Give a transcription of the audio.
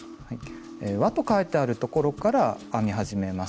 「わ」と書いてあるところから編み始めます。